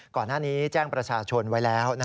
ก่อนหน้านี้แจ้งประชาชนไว้แล้ว